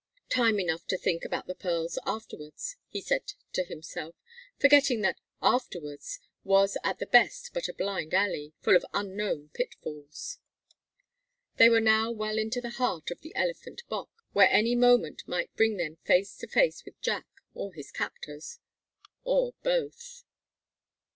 "Time enough to think about the pearls afterwards," he said to himself forgetting that "afterwards" was at the best but a blind alley, full of unknown pitfalls. They were now well into the heart of the Elephant Bock, where any moment might bring them face to face with Jack or his captors, or both.